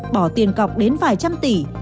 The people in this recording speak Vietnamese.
bỏ tiền cọc đến vài trăm tỷ